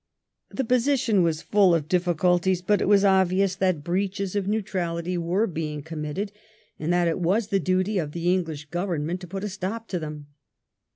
The position was full of difficulties ; but it was obvious that breaches of neutrality were being committed, and that it was the duty of the English Government to put a stop to them.